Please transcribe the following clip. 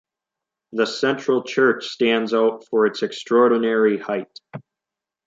The central church stands out for its extraordinary height.